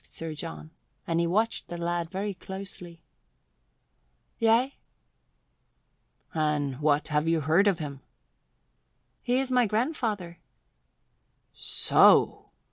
Sir John asked, and he watched the lad very closely. "Yea." "And what have you heard of him?" "He is my grandfather." "So!"